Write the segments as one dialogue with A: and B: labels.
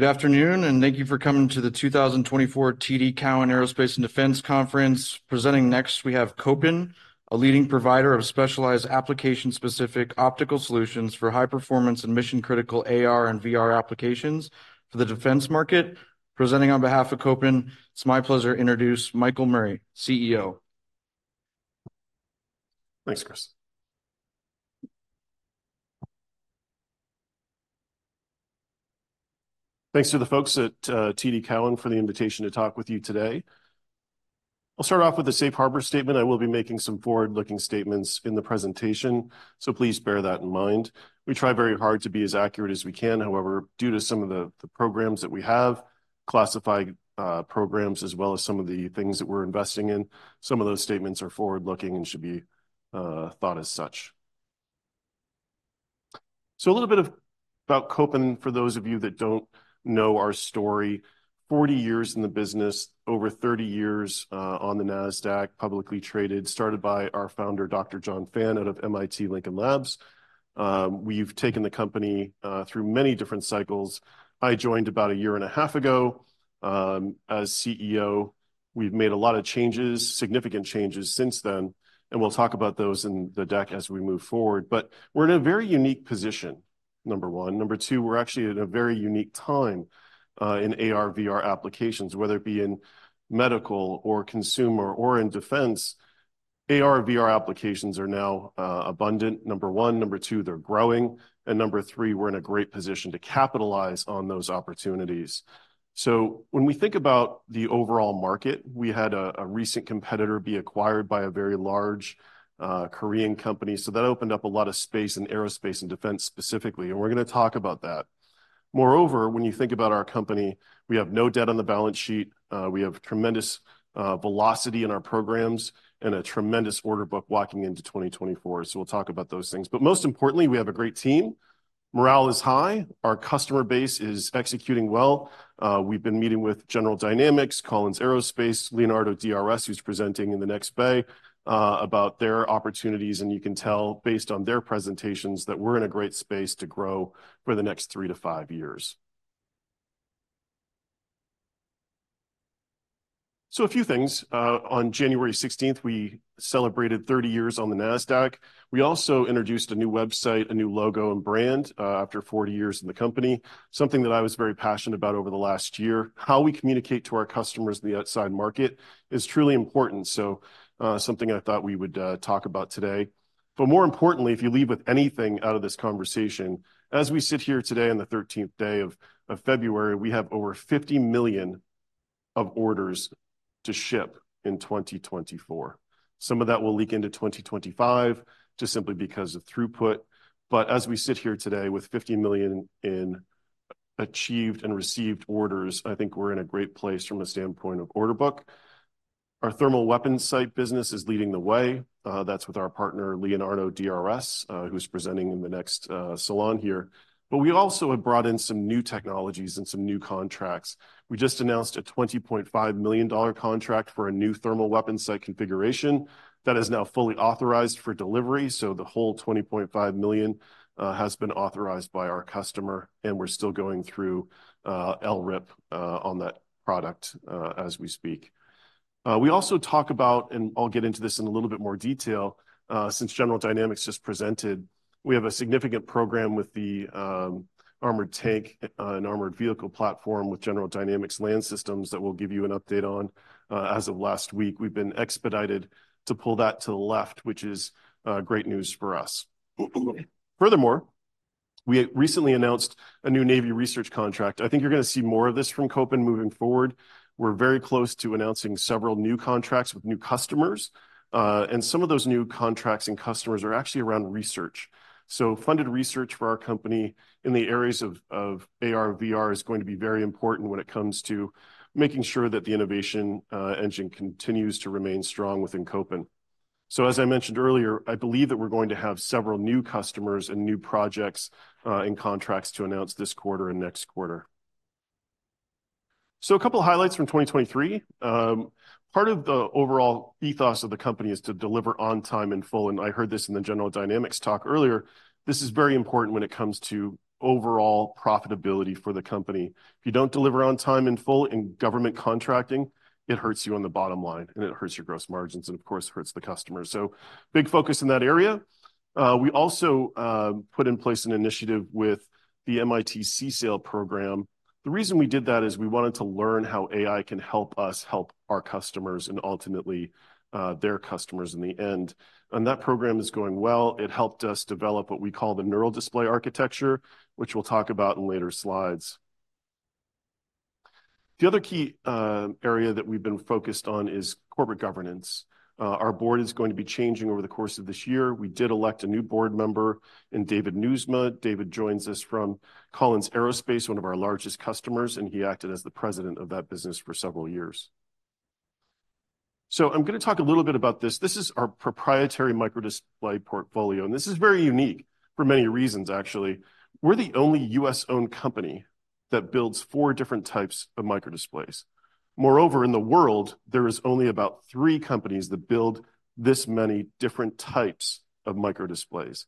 A: Good afternoon, and thank you for coming to the 2024 TD Cowen Aerospace and Defense Conference. Presenting next, we have Kopin, a leading provider of specialized application-specific optical solutions for high performance and mission-critical AR and VR applications for the defense market. Presenting on behalf of Kopin, it's my pleasure to introduce Michael Murray, CEO.
B: Thanks, Chris. Thanks to the folks at TD Cowen for the invitation to talk with you today. I'll start off with a safe harbor statement. I will be making some forward-looking statements in the presentation, so please bear that in mind. We try very hard to be as accurate as we can. However, due to some of the programs that we have, classified programs, as well as some of the things that we're investing in, some of those statements are forward-looking and should be thought as such. So a little bit about Kopin for those of you that don't know our story. 40 years in the business, over 30 years on the NASDAQ, publicly traded, started by our founder, Dr. John Fan, out of MIT Lincoln Labs. We've taken the company through many different cycles. I joined about a year and a half ago as CEO. We've made a lot of changes, significant changes since then, and we'll talk about those in the deck as we move forward. But we're in a very unique position, number one. Number two, we're actually at a very unique time in AR/VR applications, whether it be in medical or consumer or in defense. AR and VR applications are now abundant, number one. Number two, they're growing. And number three, we're in a great position to capitalize on those opportunities. So when we think about the overall market, we had a recent competitor be acquired by a very large Korean company, so that opened up a lot of space in aerospace and defense specifically, and we're gonna talk about that. Moreover, when you think about our company, we have no debt on the balance sheet. We have tremendous velocity in our programs and a tremendous order book walking into 2024, so we'll talk about those things. But most importantly, we have a great team. Morale is high. Our customer base is executing well. We've been meeting with General Dynamics, Collins Aerospace, Leonardo DRS, who's presenting in the next bay, about their opportunities, and you can tell based on their presentations that we're in a great space to grow for the next 3-5 years. So a few things. On January sixteenth, we celebrated 30 years on the NASDAQ. We also introduced a new website, a new logo, and brand, after 40 years in the company, something that I was very passionate about over the last year. How we communicate to our customers in the outside market is truly important, so, something I thought we would talk about today. But more importantly, if you leave with anything out of this conversation, as we sit here today on the thirteenth day of February, we have over $50 million of orders to ship in 2024. Some of that will leak into 2025, just simply because of throughput. But as we sit here today with $50 million in achieved and received orders, I think we're in a great place from a standpoint of order book. Our thermal weapon sight business is leading the way. That's with our partner, Leonardo DRS, who's presenting in the next salon here. But we also have brought in some new technologies and some new contracts. We just announced a $20.5 million contract for a new thermal weapon sight configuration that is now fully authorized for delivery, so the whole $20.5 million has been authorized by our customer, and we're still going through LRIP on that product as we speak. We also talk about, and I'll get into this in a little bit more detail, since General Dynamics just presented, we have a significant program with the armored tank and armored vehicle platform with General Dynamics Land Systems that we'll give you an update on. As of last week, we've been expedited to pull that to the left, which is great news for us. Furthermore, we recently announced a new Navy research contract. I think you're gonna see more of this from Kopin moving forward. We're very close to announcing several new contracts with new customers, and some of those new contracts and customers are actually around research. So funded research for our company in the areas of, of AR/VR is going to be very important when it comes to making sure that the innovation engine continues to remain strong within Kopin. So, as I mentioned earlier, I believe that we're going to have several new customers and new projects, and contracts to announce this quarter and next quarter. So a couple highlights from 2023. Part of the overall ethos of the company is to deliver on time and full, and I heard this in the General Dynamics talk earlier. This is very important when it comes to overall profitability for the company. If you don't deliver on time and full in government contracting, it hurts you on the bottom line, and it hurts your gross margins, and of course, it hurts the customer. So big focus in that area. We also put in place an initiative with the MIT CSAIL program. The reason we did that is we wanted to learn how AI can help us help our customers and ultimately their customers in the end. And that program is going well. It helped us develop what we call the NeuralDisplay Architecture, which we'll talk about in later slides. The other key area that we've been focused on is corporate governance. Our board is going to be changing over the course of this year. We did elect a new board member in David Nieuwsma. David joins us from Collins Aerospace, one of our largest customers, and he acted as the president of that business for several years. So I'm gonna talk a little bit about this. This is our proprietary microdisplay portfolio, and this is very unique for many reasons, actually. We're the only U.S.-owned company that builds four different types of microdisplays. Moreover, in the world, there is only about three companies that build this many different types of microdisplays.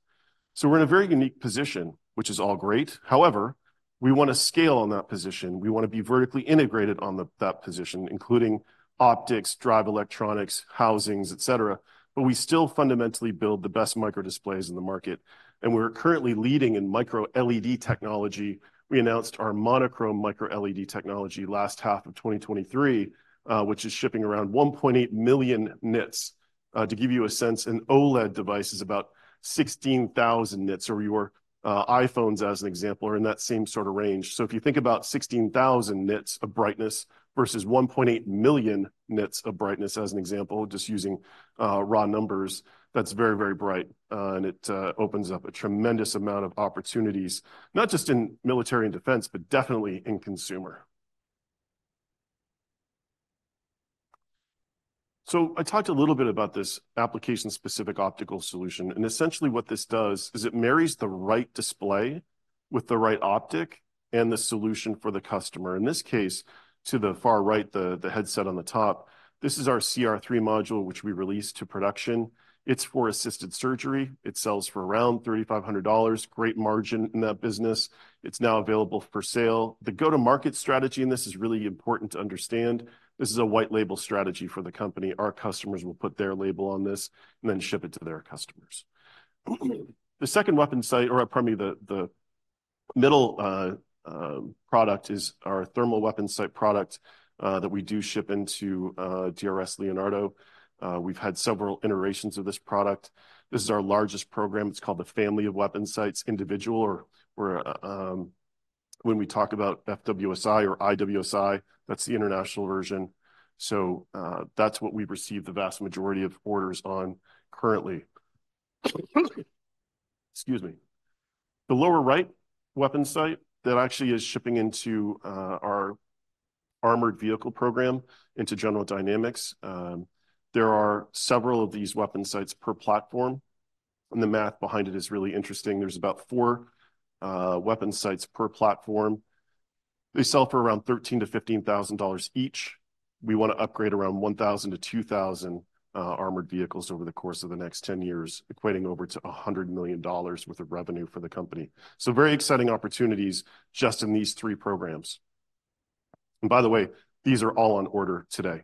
B: So we're in a very unique position, which is all great. However, we want to scale on that position. We want to be vertically integrated on that position, including optics, drive electronics, housings, et cetera. But we still fundamentally build the best microdisplays in the market, and we're currently leading in MicroLED technology. We announced our monochrome MicroLED technology last half of 2023, which is shipping around 1.8 million nits. To give you a sense, an OLED device is about 16,000 nits, or your iPhones, as an example, are in that same sort of range. So if you think about 16,000 nits of brightness versus 1.8 million nits of brightness, as an example, just using raw numbers, that's very, very bright, and it opens up a tremendous amount of opportunities, not just in military and defense, but definitely in consumer. So I talked a little bit about this application-specific optical solution, and essentially what this does is it marries the right display with the right optic and the solution for the customer. In this case, to the far right, the headset on the top, this is our CR3 module, which we released to production. It's for assisted surgery. It sells for around $3,500. Great margin in that business. It's now available for sale. The go-to-market strategy, and this is really important to understand, this is a white label strategy for the company. Our customers will put their label on this and then ship it to their customers. The second weapon sight, or, pardon me, the middle product is our thermal weapon sight product that we do ship into Leonardo DRS. We've had several iterations of this product. This is our largest program. It's called the Family of Weapon Sights, Individual, when we talk about FWS-I or IWS-I, that's the international version. So, that's what we've received the vast majority of orders on currently. Excuse me. The lower right weapon sight, that actually is shipping into our armored vehicle program, into General Dynamics. There are several of these weapon sights per platform, and the math behind it is really interesting. There's about 4 weapon sights per platform. They sell for around $13,000-$15,000 each. We want to upgrade around 1,000-2,000 armored vehicles over the course of the next 10 years, equating over to $100 million worth of revenue for the company. So very exciting opportunities just in these three programs. And by the way, these are all on order today.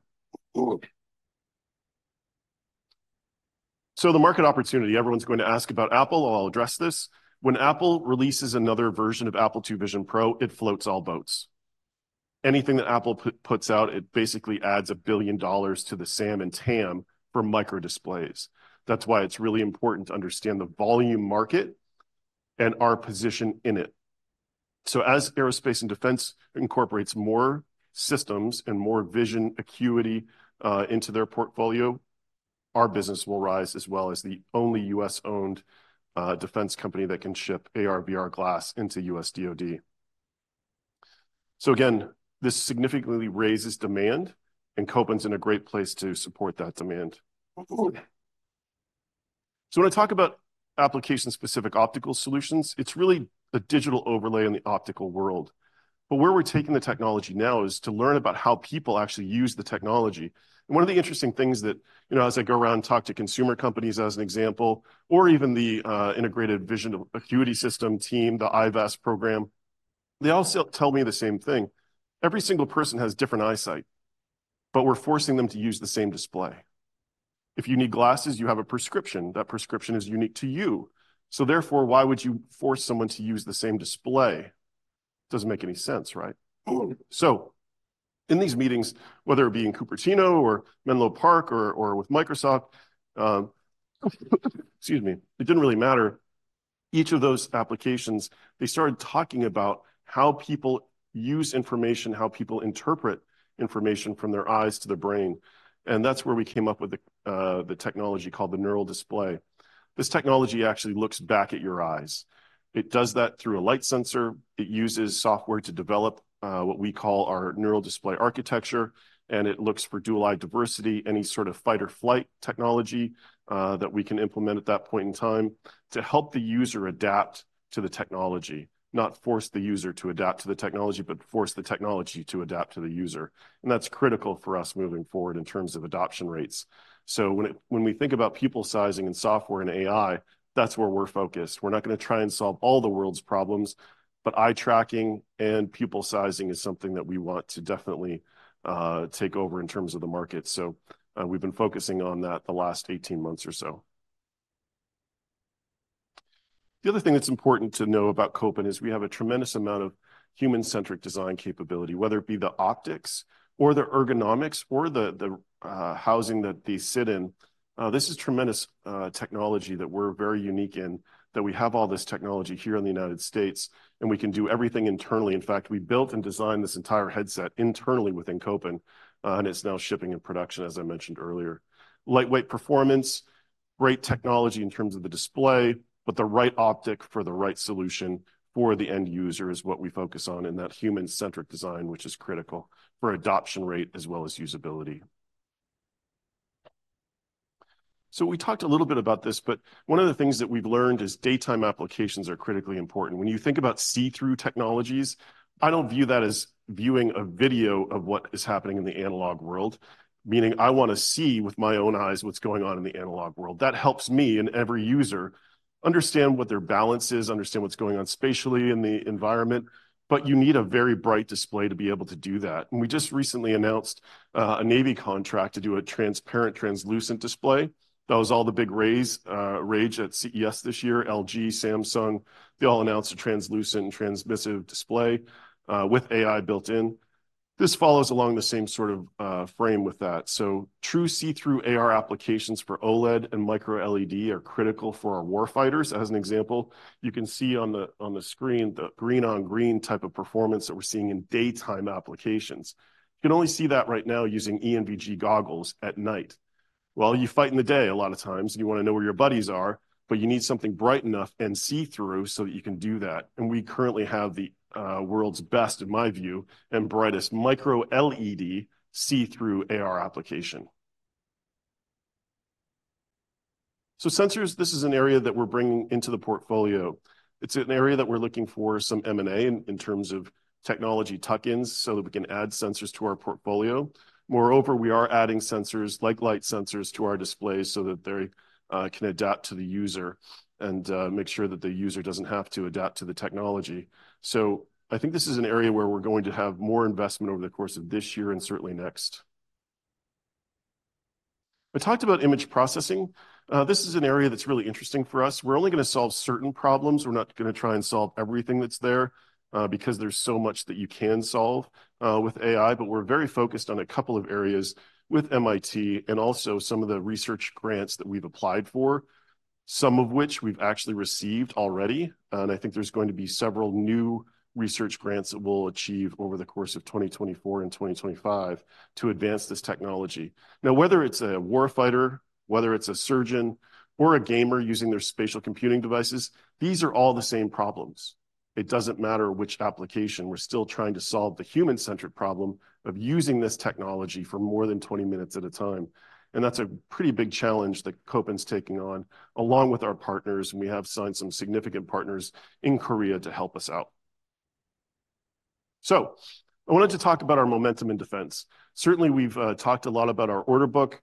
B: So the market opportunity, everyone's going to ask about Apple. I'll address this. When Apple releases another version of Apple Vision Pro, it floats all boats. Anything that Apple puts out, it basically adds $1 billion to the SAM and TAM for microdisplays. That's why it's really important to understand the volume market and our position in it. So as aerospace and defense incorporates more systems and more vision acuity into their portfolio, our business will rise, as well as the only U.S.-owned defense company that can ship AR/VR glass into U.S. DoD. So again, this significantly raises demand, and Kopin's in a great place to support that demand. So when I talk about application-specific optical solutions, it's really a digital overlay on the optical world. But where we're taking the technology now is to learn about how people actually use the technology. One of the interesting things that, you know, as I go around and talk to consumer companies, as an example, or even the Integrated Visual Augmentation System team, the IVAS program, they all tell me the same thing: every single person has different eyesight, but we're forcing them to use the same display. If you need glasses, you have a prescription. That prescription is unique to you. So therefore, why would you force someone to use the same display? Doesn't make any sense, right? So in these meetings, whether it be in Cupertino or Menlo Park or with Microsoft, it didn't really matter. Each of those applications, they started talking about how people use information, how people interpret information from their eyes to their brain. And that's where we came up with the technology called the NeuralDisplay. This technology actually looks back at your eyes. It does that through a light sensor. It uses software to develop what we call our NeuralDisplay Architecture, and it looks for dual eye diversity, any sort of fight or flight technology that we can implement at that point in time to help the user adapt to the technology. Not force the user to adapt to the technology, but force the technology to adapt to the user. And that's critical for us moving forward in terms of adoption rates. So when we think about pupil sizing and software and AI, that's where we're focused. We're not gonna try and solve all the world's problems, but eye tracking and pupil sizing is something that we want to definitely take over in terms of the market. So, we've been focusing on that the last 18 months or so. The other thing that's important to know about Kopin is we have a tremendous amount of human-centric design capability, whether it be the optics or the ergonomics or the housing that they sit in. This is tremendous technology that we're very unique in, that we have all this technology here in the United States, and we can do everything internally. In fact, we built and designed this entire headset internally within Kopin, and it's now shipping in production, as I mentioned earlier. Lightweight performance, great technology in terms of the display, but the right optic for the right solution for the end user is what we focus on in that human-centric design, which is critical for adoption rate as well as usability. So we talked a little bit about this, but one of the things that we've learned is daytime applications are critically important. When you think about see-through technologies, I don't view that as viewing a video of what is happening in the analog world. Meaning, I wanna see with my own eyes what's going on in the analog world. That helps me and every user understand what their balance is, understand what's going on spatially in the environment, but you need a very bright display to be able to do that. And we just recently announced a Navy contract to do a transparent, translucent display. That was all the big rage at CES this year. LG, Samsung, they all announced a translucent and transmissive display with AI built in. This follows along the same sort of vein with that. True see-through AR applications for OLED and MicroLED are critical for our warfighters. As an example, you can see on the screen the green-on-green type of performance that we're seeing in daytime applications. You can only see that right now using ENVG goggles at night. Well, you fight in the day a lot of times, and you wanna know where your buddies are, but you need something bright enough and see-through so that you can do that. We currently have the world's best, in my view, and brightest MicroLED see-through AR application. Sensors, this is an area that we're bringing into the portfolio. It's an area that we're looking for some M&A in terms of technology tuck-ins so that we can add sensors to our portfolio. Moreover, we are adding sensors, like light sensors, to our displays so that they can adapt to the user and make sure that the user doesn't have to adapt to the technology. So I think this is an area where we're going to have more investment over the course of this year and certainly next. I talked about image processing. This is an area that's really interesting for us. We're only gonna solve certain problems. We're not gonna try and solve everything that's there because there's so much that you can solve with AI. But we're very focused on a couple of areas with MIT and also some of the research grants that we've applied for, some of which we've actually received already. I think there's going to be several new research grants that we'll achieve over the course of 2024 and 2025 to advance this technology. Now, whether it's a warfighter, whether it's a surgeon or a gamer using their spatial computing devices, these are all the same problems. It doesn't matter which application. We're still trying to solve the human-centric problem of using this technology for more than 20 minutes at a time, and that's a pretty big challenge that Kopin's taking on, along with our partners, and we have signed some significant partners in Korea to help us out. So I wanted to talk about our momentum in defense. Certainly, we've talked a lot about our order book.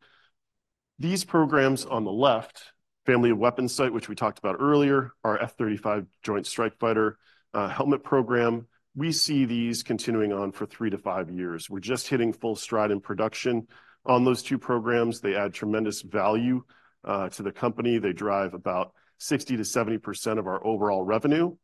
B: These programs on the left, Family of Weapon Sights, which we talked about earlier, our F-35 Joint Strike Fighter helmet program, we see these continuing on for 3-5 years. We're just hitting full stride in production on those two programs. They add tremendous value to the company. They drive about 60%-70% of our overall revenue.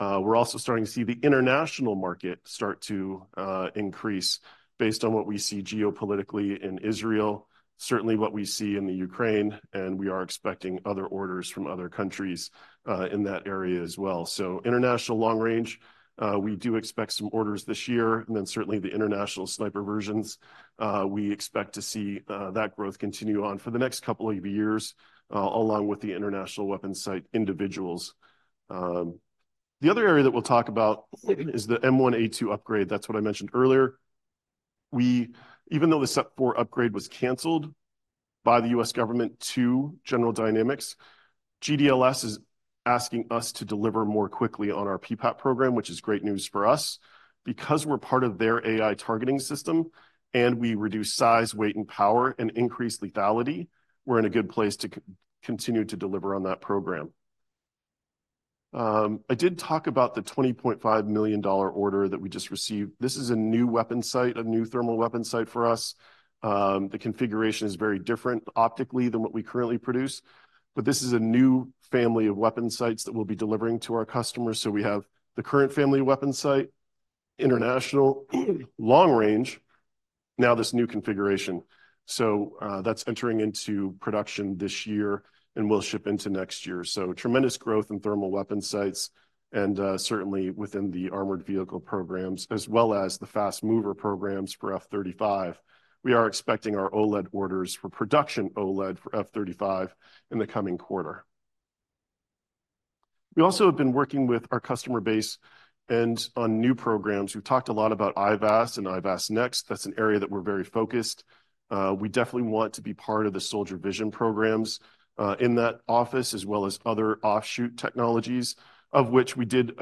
B: We're also starting to see the international market start to increase based on what we see geopolitically in Israel, certainly what we see in Ukraine, and we are expecting other orders from other countries in that area as well. So international long range, we do expect some orders this year, and then certainly the international sniper versions, we expect to see that growth continue on for the next couple of years along with the international weapons sight individuals. The other area that we'll talk about is the M1A2 upgrade. That's what I mentioned earlier. Even though the SEPv4 upgrade was canceled by the U.S. government to General Dynamics, GDLS is asking us to deliver more quickly on our PPAP program, which is great news for us. Because we're part of their AI targeting system, and we reduce size, weight, and power and increase lethality, we're in a good place to continue to deliver on that program. I did talk about the $20.5 million order that we just received. This is a new weapon sight, a new thermal weapon sight for us. The configuration is very different optically than what we currently produce, but this is a new family of weapon sights that we'll be delivering to our customers. So we have the current Family of Weapon Sights, international, long range, now this new configuration. So, that's entering into production this year and will ship into next year. So tremendous growth in thermal weapon sights and, certainly within the armored vehicle programs, as well as the fast mover programs for F-35. We are expecting our OLED orders for production OLED for F-35 in the coming quarter. We also have been working with our customer base and on new programs. We've talked a lot about IVAS and IVAS Next. That's an area that we're very focused. We definitely want to be part of the Soldier Vision programs, in that office, as well as other offshoot technologies, of which we did,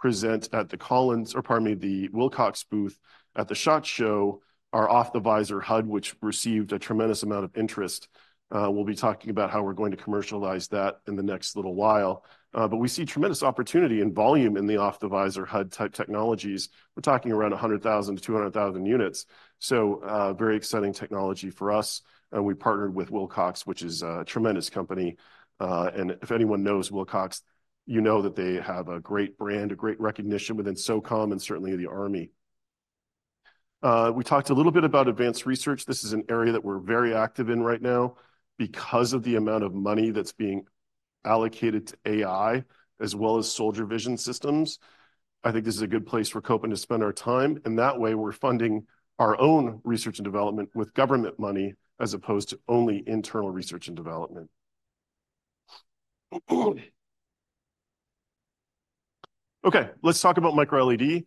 B: present at the Collins, or pardon me, the Wilcox booth at the SHOT Show, our off-the-visor HUD, which received a tremendous amount of interest. We'll be talking about how we're going to commercialize that in the next little while. But we see tremendous opportunity and volume in the off-the-visor HUD-type technologies. We're talking around 100,000-200,000 units. So, very exciting technology for us. And we partnered with Wilcox, which is a tremendous company. And if anyone knows Wilcox, you know that they have a great brand, a great recognition within SOCOM and certainly the Army. We talked a little bit about advanced research. This is an area that we're very active in right now. Because of the amount of money that's being allocated to AI, as well as soldier vision systems, I think this is a good place for Kopin to spend our time, and that way, we're funding our own research and development with government money, as opposed to only internal research and development.... Okay, let's talk about MicroLED.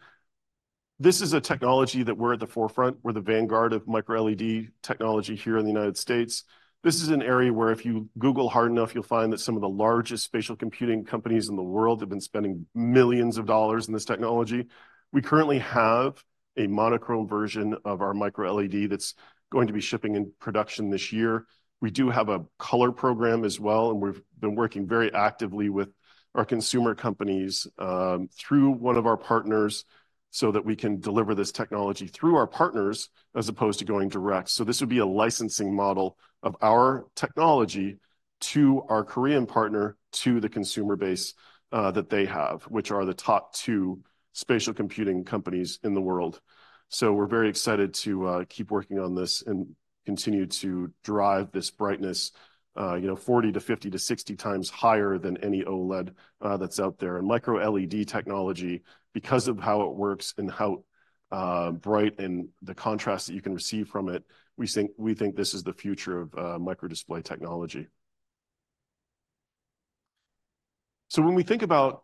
B: This is a technology that we're at the forefront. We're the vanguard of MicroLED technology here in the United States. This is an area where if you Google hard enough, you'll find that some of the largest spatial computing companies in the world have been spending millions of dollars in this technology. We currently have a monochrome version of our MicroLED that's going to be shipping in production this year. We do have a color program as well, and we've been working very actively with our consumer companies through one of our partners, so that we can deliver this technology through our partners, as opposed to going direct. So this would be a licensing model of our technology to our Korean partner, to the consumer base that they have, which are the top two spatial computing companies in the world. So we're very excited to keep working on this and continue to drive this brightness, you know, 40-50-60 times higher than any OLED that's out there. And microLED technology, because of how it works and how bright and the contrast that you can receive from it, we think this is the future of microdisplay technology. So when we think about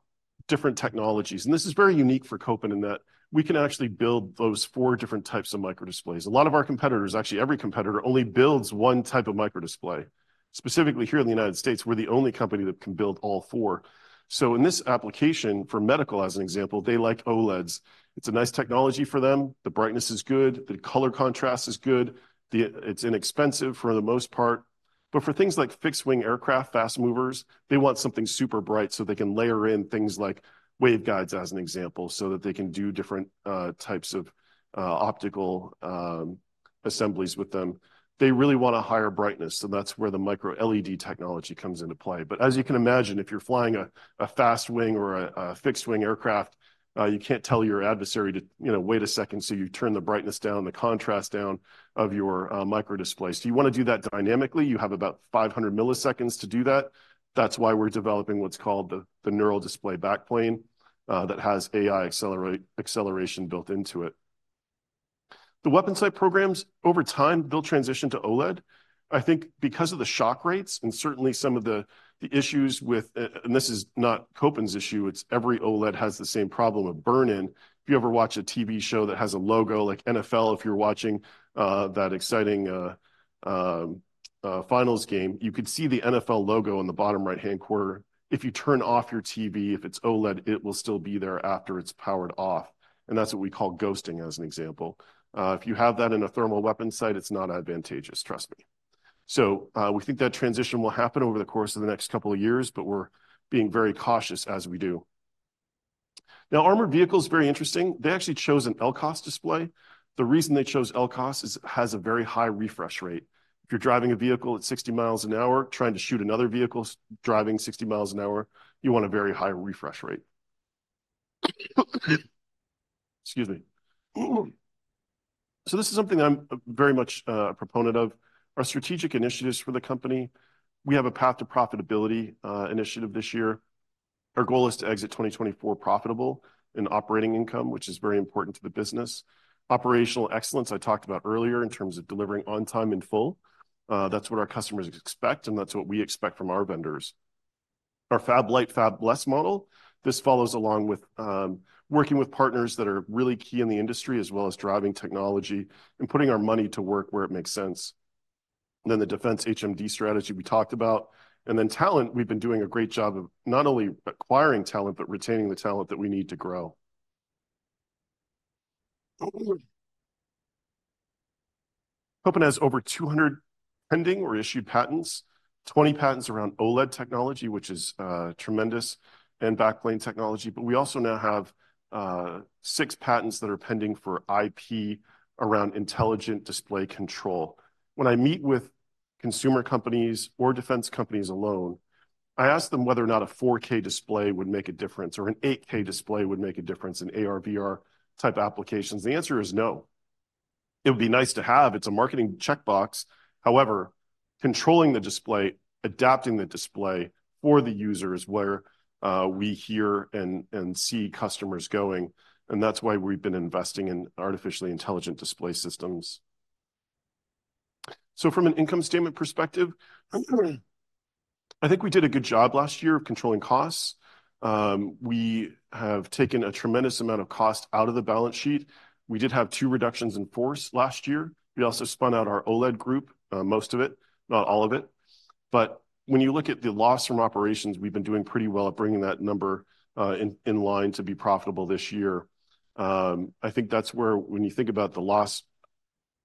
B: different technologies, and this is very unique for Kopin in that we can actually build those four different types of microdisplays. A lot of our competitors, actually, every competitor, only builds one type of microdisplay. Specifically here in the United States, we're the only company that can build all four. So in this application, for medical as an example, they like OLEDs. It's a nice technology for them. The brightness is good, the color contrast is good, the-- it's inexpensive for the most part. But for things like fixed-wing aircraft, fast movers, they want something super bright so they can layer in things like waveguides, as an example, so that they can do different types of optical assemblies with them. They really want a higher brightness, so that's where the MicroLED technology comes into play. But as you can imagine, if you're flying a fast wing or a fixed-wing aircraft, you can't tell your adversary to, you know, wait a second, so you turn the brightness down, the contrast down of your microdisplay. So you want to do that dynamically. You have about 500 milliseconds to do that. That's why we're developing what's called the NeuralDisplay If you ever watch a TV show that has a logo, like NFL, if you're watching, that exciting finals game, you could see the NFL logo on the bottom right-hand corner. If you turn off your TV, if it's OLED, it will still be there after it's powered off, and that's what we call ghosting, as an example. If you have that in a thermal weapon sight, it's not advantageous, trust me. So, we think that transition will happen over the course of the next couple of years, but we're being very cautious as we do. Now, armored vehicles, very interesting. They actually chose an LCOS display. The reason they chose LCOS is it has a very high refresh rate. If you're driving a vehicle at 60 miles an hour, trying to shoot another vehicle driving 60 miles an hour, you want a very high refresh rate. Excuse me. So this is something that I'm very much a proponent of, our strategic initiatives for the company. We have a path to profitability initiative this year. Our goal is to exit 2024 profitable in operating income, which is very important to the business. Operational excellence, I talked about earlier in terms of delivering on time in full. That's what our customers expect, and that's what we expect from our vendors. Our Fab-lite, Fabless model, this follows along with working with partners that are really key in the industry, as well as driving technology and putting our money to work where it makes sense. Then the defense HMD strategy we talked about, and then talent, we've been doing a great job of not only acquiring talent, but retaining the talent that we need to grow. Kopin has over 200 pending or issued patents, 20 patents around OLED technology, which is, tremendous, and backplane technology. But we also now have, six patents that are pending for IP around intelligent display control. When I meet with consumer companies or defense companies alone, I ask them whether or not a 4K display would make a difference, or an 8K display would make a difference in AR/VR-type applications. The answer is no. It would be nice to have. It's a marketing checkbox. However, controlling the display, adapting the display for the user is where, we hear and see customers going, and that's why we've been investing in artificially intelligent display systems. So from an income statement perspective, I think we did a good job last year of controlling costs. We have taken a tremendous amount of cost out of the balance sheet. We did have two reductions in force last year. We also spun out our OLED group, most of it, not all of it. But when you look at the loss from operations, we've been doing pretty well at bringing that number in line to be profitable this year. I think that's where when you think about the loss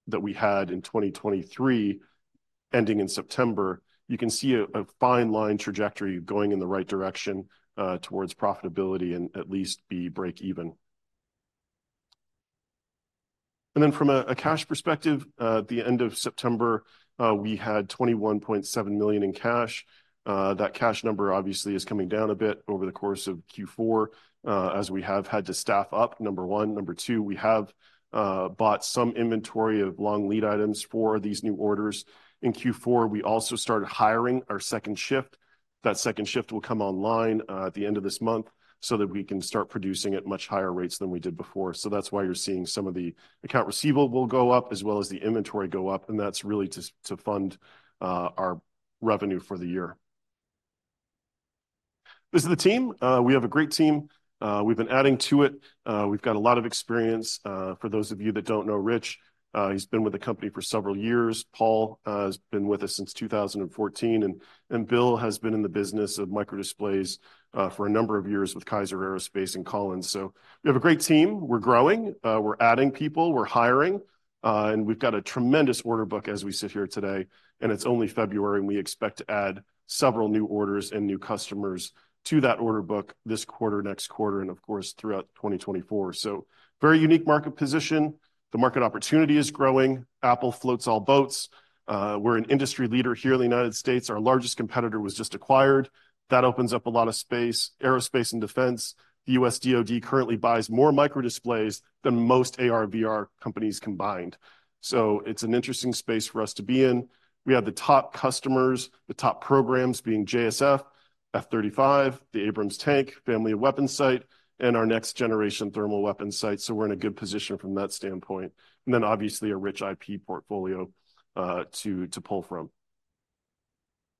B: that we had in 2023, ending in September, you can see a fine line trajectory going in the right direction towards profitability and at least be break even. And then from a cash perspective, at the end of September, we had $21.7 million in cash. That cash number obviously is coming down a bit over the course of Q4, as we have had to staff up, number one. Number two, we have bought some inventory of long lead items for these new orders. In Q4, we also started hiring our second shift. That second shift will come online at the end of this month so that we can start producing at much higher rates than we did before. So that's why you're seeing some of the accounts receivable go up, as well as the inventory go up, and that's really to fund our revenue for the year. This is the team. We have a great team. We've been adding to it. We've got a lot of experience. For those of you that don't know Rich, he's been with the company for several years. Paul has been with us since 2014, and Bill has been in the business of microdisplays for a number of years with Kaiser Aerospace and Collins. So we have a great team. We're growing, we're adding people, we're hiring, and we've got a tremendous order book as we sit here today, and it's only February, and we expect to add several new orders and new customers to that order book this quarter, next quarter, and of course, throughout 2024. So very unique market position. The market opportunity is growing. Apple floats all boats. We're an industry leader here in the United States. Our largest competitor was just acquired. That opens up a lot of space. Aerospace and defense, the U.S. DoD currently buys more microdisplays than most AR/VR companies combined. So it's an interesting space for us to be in. We have the top customers, the top programs being JSF, F-35, the Abrams Tank, Family of Weapon Sights, and our next-generation thermal weapon sights. So we're in a good position from that standpoint, and then obviously, a rich IP portfolio to pull from.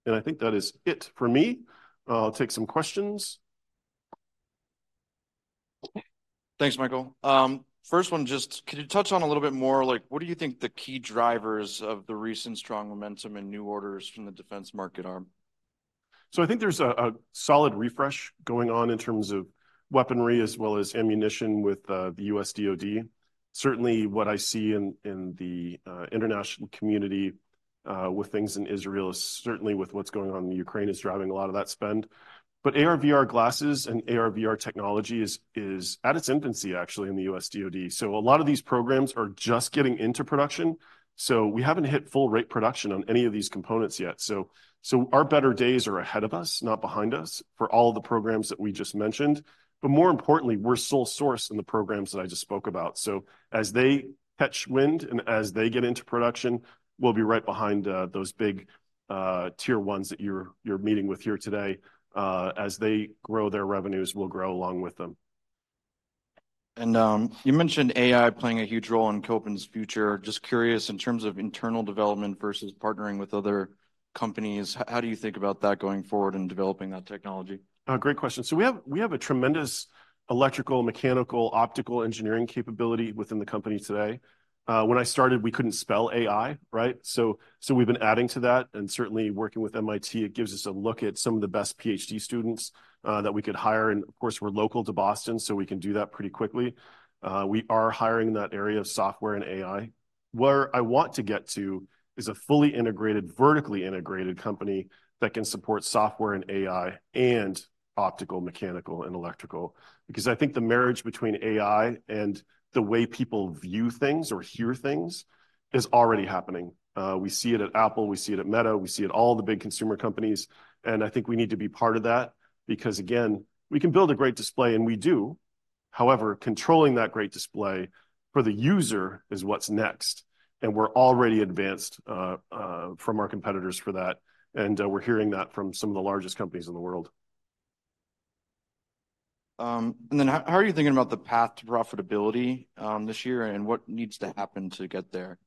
B: I think that is it for me. I'll take some questions.
A: Thanks, Michael. First one, just could you touch on a little bit more, like, what do you think the key drivers of the recent strong momentum and new orders from the defense market are?
B: So I think there's a solid refresh going on in terms of weaponry as well as ammunition with the U.S. DOD. Certainly what I see in the international community with things in Israel, certainly with what's going on in Ukraine, is driving a lot of that spend. But AR/VR glasses and AR/VR technology is at its infancy, actually, in the U.S. DOD. So a lot of these programs are just getting into production, so we haven't hit full rate production on any of these components yet. So our better days are ahead of us, not behind us, for all the programs that we just mentioned. But more importantly, we're sole source in the programs that I just spoke about. So as they catch wind and as they get into production, we'll be right behind, those big, tier ones that you're meeting with here today. As they grow their revenues, we'll grow along with them.
A: You mentioned AI playing a huge role in Kopin's future. Just curious, in terms of internal development versus partnering with other companies, how do you think about that going forward and developing that technology?
B: Great question. So we have a tremendous electrical, mechanical, optical engineering capability within the company today. When I started, we couldn't spell AI, right? So, we've been adding to that, and certainly working with MIT, it gives us a look at some of the best PhD students that we could hire. And of course, we're local to Boston, so we can do that pretty quickly. We are hiring in that area of software and AI. Where I want to get to is a fully integrated, vertically integrated company that can support software and AI and optical, mechanical, and electrical. Because I think the marriage between AI and the way people view things or hear things is already happening. We see it at Apple, we see it at Meta, we see it all the big consumer companies, and I think we need to be part of that because, again, we can build a great display, and we do. However, controlling that great display for the user is what's next, and we're already advanced from our competitors for that, and we're hearing that from some of the largest companies in the world.
A: How are you thinking about the path to profitability this year, and what needs to happen to get there?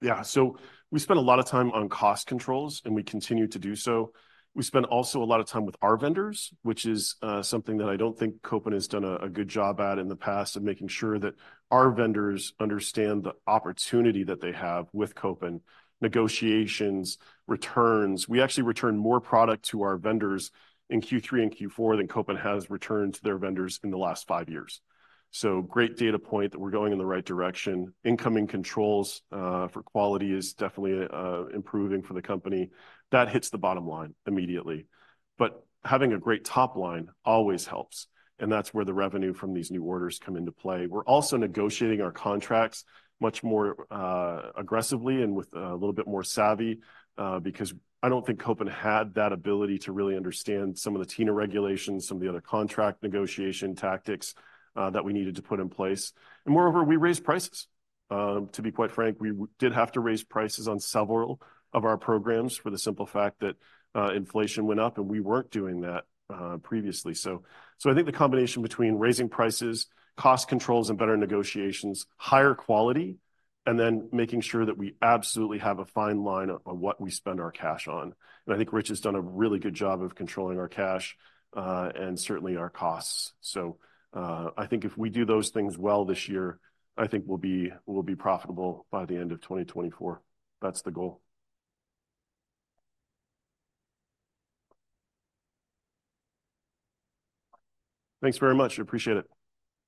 B: Yeah, so we spend a lot of time on cost controls, and we continue to do so. We spend also a lot of time with our vendors, which is something that I don't think Kopin has done a good job at in the past, of making sure that our vendors understand the opportunity that they have with Kopin. Negotiations, returns, we actually returned more product to our vendors in Q3 and Q4 than Kopin has returned to their vendors in the last five years. So great data point that we're going in the right direction. Incoming controls for quality is definitely improving for the company. That hits the bottom line immediately. But having a great top line always helps, and that's where the revenue from these new orders come into play. We're also negotiating our contracts much more aggressively and with a little bit more savvy, because I don't think Kopin had that ability to really understand some of the TINA regulations, some of the other contract negotiation tactics that we needed to put in place. And moreover, we raised prices. To be quite frank, we did have to raise prices on several of our programs for the simple fact that inflation went up, and we weren't doing that previously. So I think the combination between raising prices, cost controls, and better negotiations, higher quality, and then making sure that we absolutely have a fine line on what we spend our cash on. And I think Rich has done a really good job of controlling our cash and certainly our costs. I think if we do those things well this year, I think we'll be, we'll be profitable by the end of 2024. That's the goal. Thanks very much. Appreciate it.